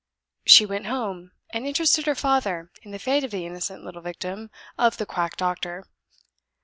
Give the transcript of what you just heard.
She went home, and interested her father in the fate of the innocent little victim of the quack doctor.